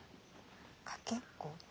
かけっこと。